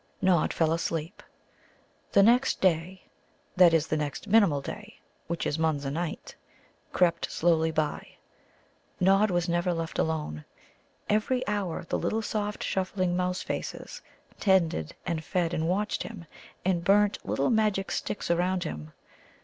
Nod fell asleep. The next day (that is, the next Minimul day, which is Munza night) crept slowly by. Nod was never left alone. Every hour the little soft shuffling Mouse faces tended and fed and watched him, and burnt little magic sticks around him.